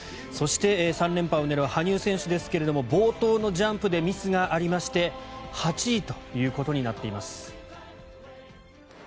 そして３連覇を狙う羽生選手ですが冒頭のジャンプでミスがありまして８位ということになっています。